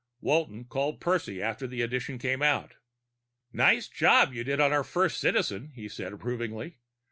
Walton called Percy after the edition came out. "Nice job you did on our first Citizen," he said approvingly.